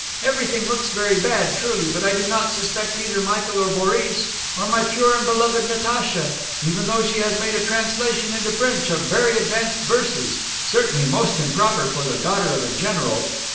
Everything looks very bad, truly, but I do not suspect either Michael or Boris or my pure and beloved Natacha (even though she has made a translation into French of very advanced verses, certainly most improper for the daughter of a general).